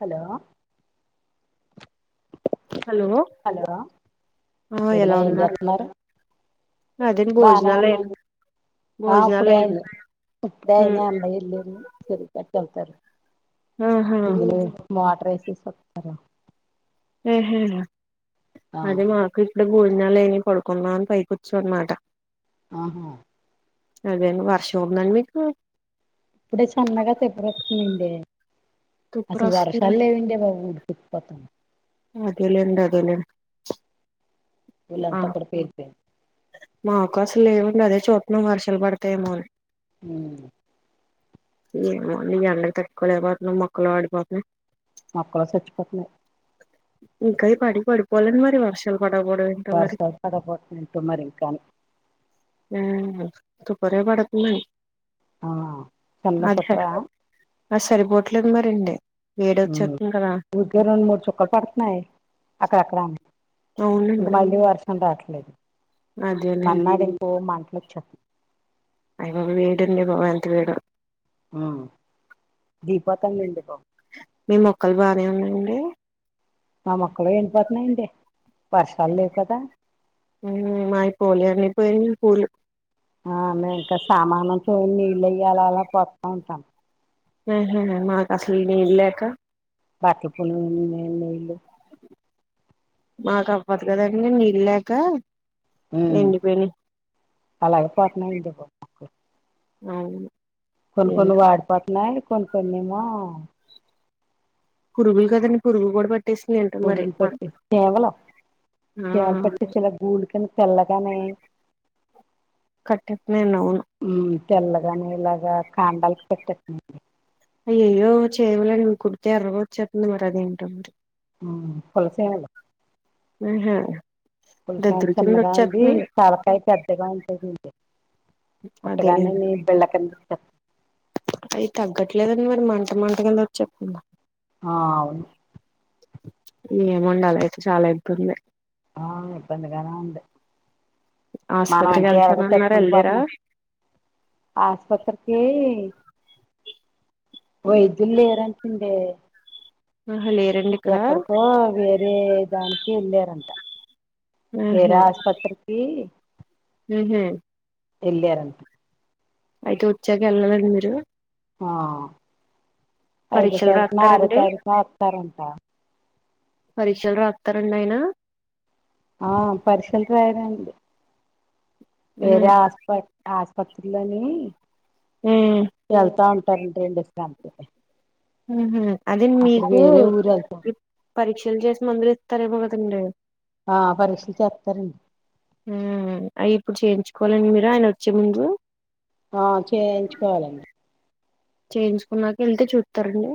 Hello hello hello ఆ ఒదిన ఎలా ఏం ఉన్నారు చేస్తున్నారు బానే ఉన్నాను [unintelligible] [unintelligible] [unintelligible] భోజనాలు ఉమ్ ఆహా మోటర్ వేసేసి [unintelligible] ఆహ ఆ అదే మాకు ఇప్పుడు గుూడిజాలని కొడుకుందాం అని పై కూర్చ్చు అనమాట ఆహా అదే వర్షం ఉందండి మీకు ఇప్పుడే సన్నగా తెప్పుకొస్తుందండడి తుప్పరు అసలు వస్తుంది వర్షాలు లేవండే బావుడు [unintelligible] అదేలేండి అదేలే వీళ్ళంత కూడ [unintelligible] మా అవకాశం లేవండి అదే చూద్దన్నాం వర్షలు పడతాయేమోని ఉ ఏమో నీ ఎండలు తట్టుకోలేకపోతనం మొక్కలు వాడిపోతున్నాయ్ మొక్కలు చచ్చిపోతున్నయ్ ఇంకా పడి పడిపోలేడి మరి వర్షాలు పడవ పడవే [unintelligible] ఇంకాని ఆ [unintelligible] ఆ చన్న [unintelligible] ఆ సరిపోట్లేదు మరిండి వేడ వచ్చేతుంది కదా రెండు మూడు చుక్కలు పడుతున్నాయి అక్కడక్కడ ఇంక అవునండి మళ్ళీ [unintelligible] రావట్లేదు. అదేలేండి మన్నాడంకో మాటలు చెప్ప అయి వీడి పోనంత వీడు [unintelligible] ఈ పంతం ఎందుకో మీ మొక్కలు బానే ఉందండి. మా మొక్కలు ఎండిపోతున్నాయిడి వర్షాలు లేవు కదా? ఏమైపోలే ఎండి పోయినాయి పూలు ఆమె ఇంకా సామానంతో నీళ్ళయ్యలా అలా పోస్తా ఉంటాం. ఏ చెయ్యాలి మాకసలు వీలు లేక బటిపుల [unintelligible] మాకు అవ్వదు కదండీ నీళ్లు లేక మ్ ఎండిపోయినయి అలాగే పోతున్నావు ఎందుకో అవును కొన్ని ఏం కొన్ని వాడి పోతున్నాయి కొన్ని కొన్ని ఏమో. పురుగులు కదా పురుగు కూడా పట్ టిస్ మి యండు వదిలి పెట్టి కేవలం ఆ కేవలు పెట్టి ఇలా గూళకని తెల్లగానే కట్టటినే అవును. తెల్లగాని ఇలాగా కాండాల పెట్టండి. అయ్యో. అయ్యో చేమలులెవ్వు కుడితే ఎర్రవచ్చ అతుంది మరి అదేంటో మరి మ్ కోనసీమలో ఏం చేయాలి పులషేమో చిన్నగా ఉంది తలకాయ పెద్దగా ఉంటాదండి. పుట్టగానే అదేలేండి మీ బెళ్ళకంది అయి తగ్గట్లేదండి మరి మంట మంటగానే వచ్చేత్తోంది. ఆ అవును ఏమో అండి అలా అయితే చాలా ఇబ్బంది. ఆ ఇబ్బందిగానే ఉంది. మనం ఆసుపత్రికి అంటే ఎలాగో వెళ్తానన్నారు తట్టుకుంటూ వెళ్ళారా పోతున్నాము. ఆస్పత్రికి వైద్యులు లేరంటండి. ఆహా లేరండి ఇక్కడ ఎక్కడికో వేరే దానికి వెళ్ళారంట. వేరే ఆసుపత్రికి మ్ హూ వెళ్ళారంట. అయితే వచ్చాక వెళ్ళాలండి మీరు? ఆ ఐదు పరీక్షలు తారీకునో, ఆరు రాస్తారండి తారీకునో వత్తారంట. పరీక్షలు రాత్తారండి ఆయన? ఆ పరీక్షలు రాయరండి వేరే ఆసుపత్రి ఆసుపత్రిలని ఉమ్ వెళ్తా ఉంటారండి అంతే. మ్ హూ అదే అక్కడ మీకు వేరే ఊరు వెళ్తారు పరీక్షలు చేసి మందులు ఇత్తరెమో కదండి. ఆ పరీక్షలు చెత్తారండి. మ్ అయి ఇప్పుడు చేయించుకోవాలండి మీరు ఆయన వచ్చే ముందు. ఆ చేయించుకోవాలండి. చేయించుకున్నాక వెళ్తే చూస్తారండి.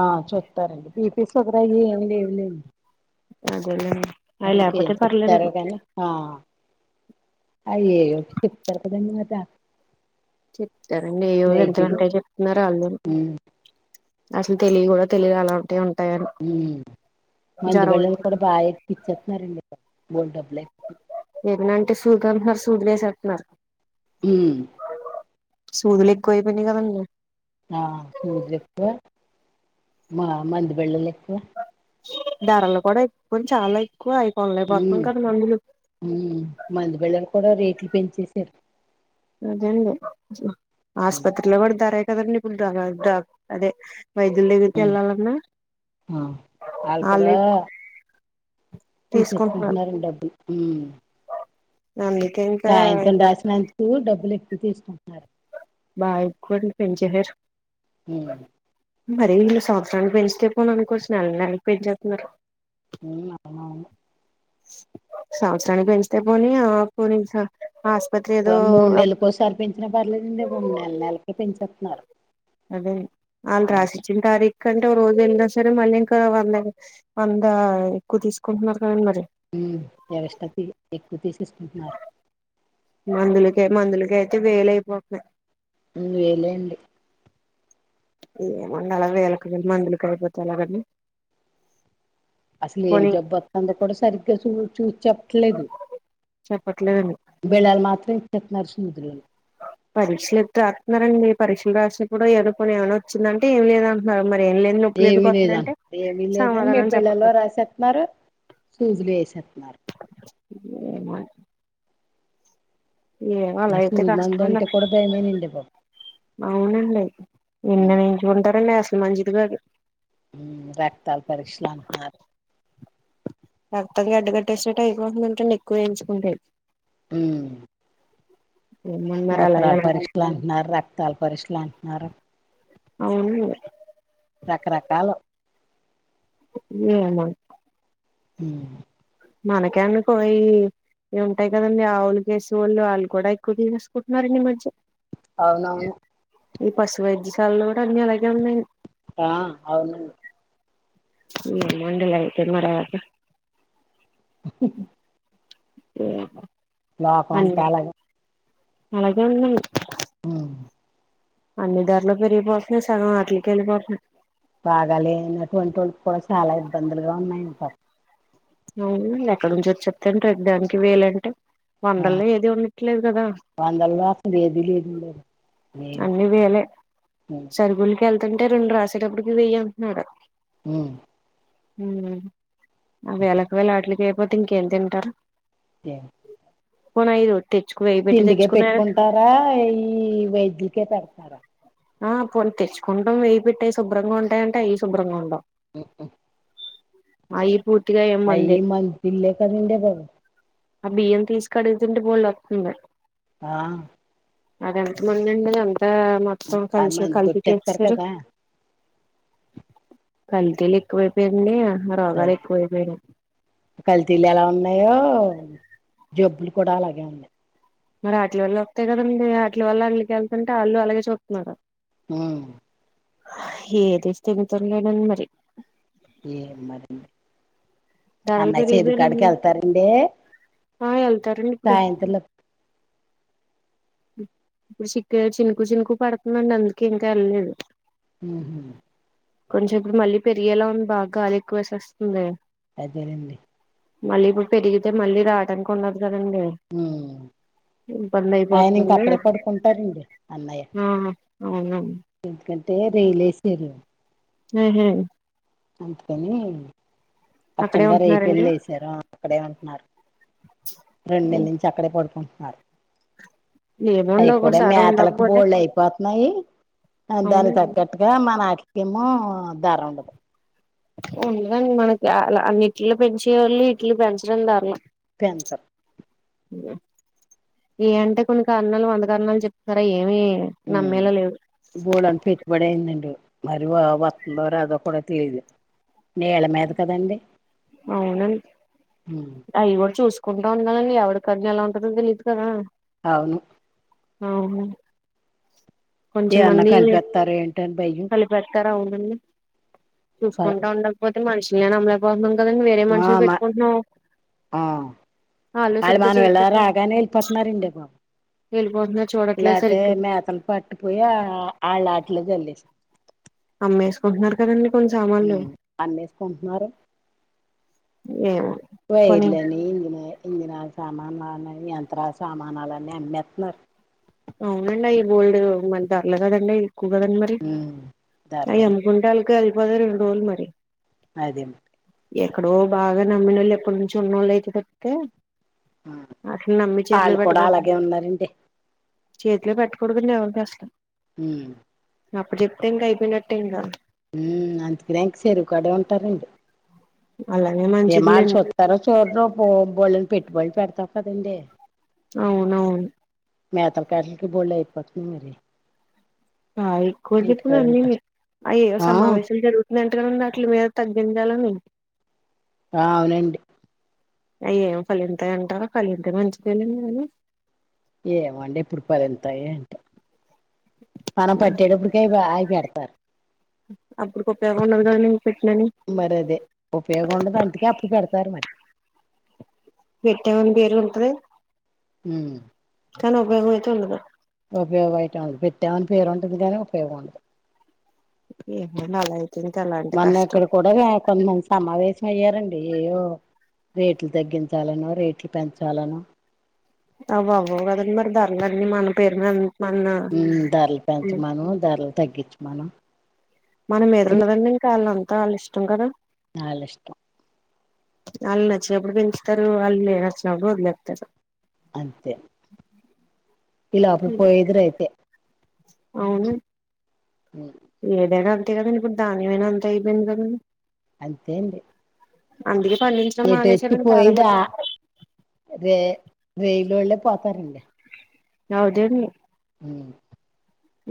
ఆ చూస్తారండి [unintelligible] ఒకర ఏమి లేదులేండి. అదేలేండి అయి లేపోతే చెప్తారో పర్లేదు. కానీ ఆ అయ్యేయో చెప్తారు కదండి మరి జా చెప్తారండి ఇగ [unintelligible] వెంట చెప్తున్నారు అల్లుళ్ ఉమ్ అసలు తెలివి కూడా తెలివి అలా అంటే ఉన్ వ్మ్ మందు వచ్చి బిల్ళలు కూడా బాగా ఎక్కిచ్చేస్తున్నారండి ఇప్ బోల్ డబ్బులు అయి ఏమనంటే సూగా మా సూదులు వేసేత్నరు వ్మ్ సూదులు ఎక్కువ అయిపోయినాయి కదండి ఆ సూర్ జెప్పే మా మందిబెళ్ళలు ఎక్కువ ధరలు కూడా ఎక్కువ చాలా ఎక్కువ అయి కోనలేపోతాం కద మందులు వ్మ్ మందుబిల్లలు కూడా రేట్లు పెంచేసారు అదేండి ఆస్పత్రిలో కూడా ధరే కదండి ఇప్పుడు ధర ద అదే వైద్యుల దగ్గరికి ఉమ్ వెళ్ళాలన్నా ఆ ఆళ్ళే తీసేసుకుంటున్నారన్ డబ్బులు అందుకే ఇంకా సాయంత్రం దాచినందుకు డబ్బులు ఎక్కువ తీసుకుంటున్నారు. బాయకు పెంచేసారు హ్మ్ మరి ఇళ్లు సంవత్సరానికి పెంచితే పోను అనుకోవచ్చు నెల నెలకి పెంచేత్నరు ఊ అవువును సంవత్సరానికి పెంచితే పోని ఆ పోనీ స ఆస్పత్రి ఏదో ఆ పెంచిన పర్లేదండి బాబు నెల నెలకి పెంచేత్తున్నారు అదే ఆళ్ళు రాసిచ్చిన తారీఖు కంటే ఒక రోజు వెళ్ళినా సరే మళ్ళీ ఇంకా వందే వందా ఎక్కువ తీసుకుంటున్నారు కదండి మరి వ్మ్ వ్యవస్థతిపిల్ ఎక్కువ తీసెస్ కుంటున్నారు మందులకే మందులకే అయితే వేలు అయిపోతున్నాయి మేలేండి ఏముంది అలా అని వేల కి వేలు మందులకి అయిపోతే ఎలాగండి అసలు ఏం పోనీ జబ్బు వస్తుందో కూడా సరిగ్గా చూ చూసి చెప్పట్లేదు చెప్పట్లేదండి బెళల్ మాత్రం [unintelligible] న్నాడు సుద్లు పరీక్షలు ఎత్తే రాస్తున్నారండి పరీక్షలు రాసినప్పుడు ఎదుర్కొని ఏమైనా వచ్చిందంటే ఏమి లేదంట మరి ఏం లేదు. నొప్పులు ఏమి ఎందుకు లేదంట వస్తుందంటే ఏమీ లేదని ఏ సమాధానం పిళ్లల్లో చెప్పట్లేదు రాసేస్తున్నారు సూజులు ఏసేతున్నారు. ఏ మ ఏమో అలా ఆ అయితే సూది మందు కష్టమండి అంటే అసల్ కూడా భయమేనండి బాబు అవునండి ఎన్నని ఎంచుకుంటారండి అసలు మంచిది గాదు వ్మ్ రక్తాలు పరీక్షలు అంటున్నారు రక్తం గట్టేకట్టేసేట్టు అయిపొతుంది అంట ఎక్కువేయించుకుంటే వ్మ్ ఏమోని మరి అలా మూత్రాల ఎలా పరీక్షలు అంటున్నారు రక్తాల పరీక్షలు అంటున్నారు అవునండి రకరకాలు ఏమో ఉ మనకే అనుకో ఈ ఇవిఉంటాయి కదండి ఆవులుకసేవాళ్ళు వాళ్ళు కూడా ఎక్కువ తీసేసుకుంటరండి ఈ మధ్య అవునవును ఈ పశు వైద్యశాలలో కూడా అన్నిఅలాగే ఉన్నాయి ఆ అవునండి ఏమో అండీ లైట్ ఏమో రాదు ఏమో నా ఫోన్ తెలగా అలాగే ఉందండి ఊ అన్ని ధరలు పెరిగిపోతున్నాయి సగం ఆట్లకే వెళ్ళిపోతున్నాయి బాగాలేనటువంటి వోళ్ళకి కూడా చాలా ఇబ్బందులుగా ఉన్నాయి అండి పాపం అవును ఎక్కడ నుంచి వచ్చెత్తాయి అండి ప్రతి దానికి వేలంటే వందల్లో ఏది ఉండట్లేదు కదా వందలో అసలు ఏది లేదండి అన్ని వేలే లేదు సరిగులకి వెళ్తుంటే రెండు రాసేటప్పడుకి వెయ్ అంటున్నారు ఊ ఊమ్ ఆ వేళకు వేలు వాటికి అయిపోతే ఇంకేం తింటారు ఏమో పోన ఐ రొట్టిచుకు వెయ్యి పెట్టి తెచ్చుకున్నారు అ ఈ వైద్యకే పెడతారా ఆ పోని తెచ్చుకుంటాం వెయ్య పెట్టే అయి శుభ్రంగా ఉంటాయ అంటే అవి శుభ్రంగా ఉండవ్ ఉ ఊ అవి పూర్తిగా ఏం మందే మందులే కదండి బాబు ఆ బియ్యం తీసి కడుగుతుంటే బోలెడు వత్తుంది ఆ అది ఎంత మంది అండి అంతా మొత్తం ఆ కలిసి మందు కలిపి కొట్టేస్తారు చేసేసారు కదా కల్తీలు ఎక్కువైపోయాయండి ఆహా రోగాలు ఎక్కువైపోయయి కల్తీలు ఎలా ఉన్నాయో జబ్బులు కూడా అలాగే ఉన్నాయి మరి ఆటిల వల్ల వత్తాయి కదండి ఆటిల వల్ల ఆట్లీకి వెళ్తుంటే వాళ్ళు అలాగే చూతున్నారు ఊ ఏది స్థిమితం లేదండి మరి ఏ మరింది ధరలు అన్నయ్య చేరుకాడికి పెరిగిపోయినాయి వెళ్తారండి ఆ వెళ్తారండి ఇప్పుడు సాయంత్రంలో ఉ ఇప్పుడు చికు చినుకు చినుకు పడుతుందండి అందుకే ఇంకా వెళ్ళలేదు ఊహు కొంచెం ఇప్పుడు మళ్ళీ పెరిగేలా ఉంది బా గాలి ఎక్కువ వేసేస్తుంది అదేనండి మళ్ళీ ఇప్పు పెరిగితే మళ్ళీ రావడానికి ఉండదు కదండి ఇబ్బంది అయిపో ఇంకక్కడే పడుకుంటారండి అన్నయ్య ఆ అవున ఎందుకంటే రైలేసారు ఊహు అందుకని అక్కడే అచ్చంగారు ఏయి ఉంటున్నారండి పెళ్ళి ఏసారు అక్కడే ఉంటున్నారు రెండు నెల నుంచి అక్కడే పడుకుంటున్నారు అయి ఏముండవు కూడా ఒకసారి మేతలకు ఉండకపోతే బోళ్డు అయిపోతున్నాయి ఆ అవును దానికి తగ్గట్ ఏ మనాటిలకి ఏమో ధర ఉండదు ఉండదండి మనకి అ అన్నిట్లో పెంచేవాళ్ళు ఇట్లు పెంచడం ధరలం పెంచరు ఏ అంటే కొన్ని కరన్నాలు వందకరణలు చెప్తానారూ అవి ఏమి నమ్మేలా లేవు బోలెడంత పెట్టుబడి అయిందండి మరి వాగ వత్తుందో రాదో కూడా తెలీదు నీళ్ళ మీద కదండి అవునండి అవి కూడా చూసుకుంటా ఉండాలండి ఎవడి కన్ను ఎలా ఉంటందో తెలియదు కదా అవును అవును ఏ అన్నా కలిపేత్తారో ఏంటో అని భయం పెడతారా అవునండి చూసుకుంటా ఉండకపోతే మనుషుల నేను అమ్లేకపోతునం అందుకే కదండి వేరే ఆ మనిషిని మా పెట్టుకుంటున్నామ్ ఆ వాళ్ళు మనం ఇలా చేయట్లేదు రాగానే వెళ్ళిపోతున్నారండడి బాబు వెళ్ళిపోతున్నారు చూడట్లేదు లేపోతే సరిగ్గా మేతలు పట్టుపోయి ఆ ఆళ్లాటలో చల్లేస్త అమ్మేసుకుంటున్నారు కదండి కొన్ని సామాన్లు అమ్మేసు కుంటున్నారు ఏమో పోనీ వైర్లని ఇంజ ఇంజనాల సామాన్లుని యంత్రాల సామానలుని అమ్ స్తున్నారు అవునండి అవి బోల్డ్ మరి దరలే కదండి ఎక్కువ కదండి మరి ధరలే అవి గుండాలకి అయిపోతది రెండు రోజులు మరి అదేం ఎక్కడో బాగా నమ్మినోళ్ళు ఎప్పడి నుంచో ఉన్నోళ్ళు అయితే తప్పితే అట్ల నమ్మి చేతిలో పెట్టకోడాదు ఉన్నారండీ చేతిలో పెట్టకూడదు లే ఎవరికి అసలు హ అప్ప చెప్తే ఇంకా అయిపోయినట్టే ఇంకా అందుకే ఇంకా చరూవు కాడే ఉంటారండి అలాగే ఏ మల్ చూ మంచిదిలేండి తర చోర బళ్ళని పెట్టుబడులు పెడతామ్ కదండీ అవునవును మేతకి వాటికి బోలేడు ఇయిపోతుంది మరి ఆ ఎక్కువ చెప్పుడు ఇంటికాడ అన్నీ ఉంటా ఆ ఏదొ సమావేశం జరుగు ఇంటకనేంది అట్లు మీరు తగ్గించాలని ఆ అవునండి అయ్య ఏం ఫలింత అంటారో ఫలింతే మంచి తెలి ఏమండి ఇప్పుడు పరి ఎంతాయి అంటే మనం పట్టేటప్పుడు కై ఆయికేడతారు అప్పుడు ఉపయోగం ఉండదు కదండీ ఇంకా పెట్టినాని మరి అదే ఉపయోగం ఉండదు అందుకే అప్పు పెడతారు మరి పెట్టామని పేరు ఉంతరి ఉ కనీ ఉపయోగమైతే ఉండదు ఉపయోగమైతే ఉండదు పెట్టామని పేరు ఉంటుదిగానే ఉపయోగం ఉండదు ఏంటో నా లైఫ్ అయితుంది అలాంటి కష్టం ఇగ కొంతమంది సమావేశం అయ్యారండి ఏవో రేట్లు తగ్గించాలనొ రేట్లు పెంచాలనో అవవ్వవు కదండి మరి ధరలన్నీ మన పేరు మీద మన ఉమ్ ధరలు పెంచమనో ధరలు తగ్గించమనొ మనం ఎదురు ఉండదండి ఇంకా ఆళ్లంతా ఆళ్లిష్టం కదా అల్లిష్టం వాళ్ళు నచ్చినప్పుడు పెంచుతరు వాళ్లే నచ్చనప్పుడు వదిలేత్తరు అంతే ఇలా అప్పుడు పోయేదరయితే అవున ఉమ్, ఏదైనా అంతే కదండి ఇప్పుడు దాన్యమైన అంతె అయిపోయింది గదండి అంతేండి అందుకే పండించడం మానేసారండి చాలా పోయేది ఆ మట్టు రే రైలోళ్ళే పోతారండి తౌసండే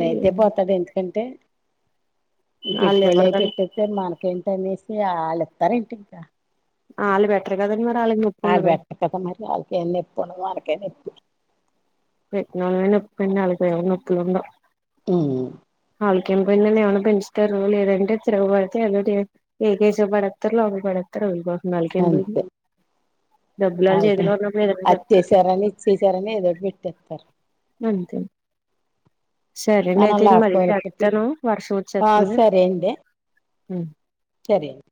రైతే పోతాడు ఎందుకంటే ఈ వాళ్ళు పెట్టుబడులయి ఇవ్వరు అయి కదా పెట్టిత్తే మనకేంటనేసి ఆళ్లిత్తారేంటి ఇంక ఆళ్ళు బెట్టరు గదండి మరి ఆల్లక్ నొప్ వాళ్ళు పెట్టరు కదా మరి ఆళ్ళకేం నొప్పున్డదు వాళ్కకే నొప్పి పెట్టినోళ్లమే నొప్పన్డి అల్లకేం నొప్పులుండవ్ ఉమ్ ఆళ్ళకెం పోయిందండి ఏమన్న పెంచుతారు లేదంటే తిరగబడితే ఏదోటి ఏకేశపు పడేత్తరు ఒకల్ పడేత్తరు ఒకళ్గో వాళ్లకేం పోయింది అంతే డబ్బులాల్ ఆళ్ళకే చేతిలో ఉన్నప్పుడు ఏదన్నా అది చెప్తారు చేసారని ఇది చేసారని ఏదోటి పెట్టేస్తారు అంతే సరే అండి మనం అయితే నేను మళ్ళీ లాక్కోలికి పి చేత్తాను వర్షం ఆ వచ్చేట్టుంది సరే అండి